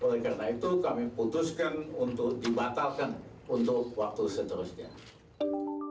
oleh karena itu kami putuskan untuk dibatalkan untuk waktu seterusnya